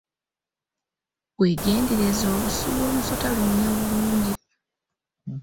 Weegendereze olusu lw'omusota luwunya bulungi.